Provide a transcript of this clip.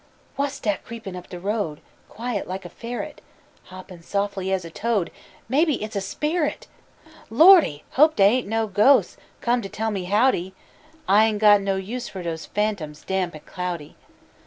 Whass dat creepin' up de road, Quiet like a ferret, Hoppin' sof'ly as a toad? Maybe hit's a sperrit! Lordy! hope dey ain't no ghos' Come to tell me howdy. I ain't got no use for those Fantoms damp an' cloudy.